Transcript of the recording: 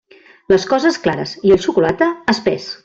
Les coses, clares, i el xocolate, espés.